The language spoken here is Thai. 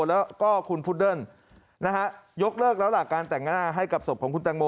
แล้วก็คุณพุดเดิ้ลยกเลิกแล้วล่ะการแต่งหน้าให้กับศพของคุณแตงโม